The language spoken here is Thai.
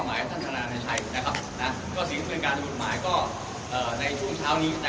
ม่อหมายธนานได้ใช่นะครับนะเนี้ย